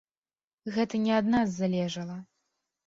Гэта не ад нас залежала.